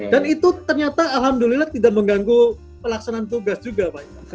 dan itu ternyata alhamdulillah tidak mengganggu pelaksanaan tugas juga pak